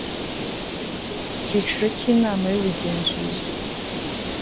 ICYICIRO CYA INAMA Y UBUGENZUZI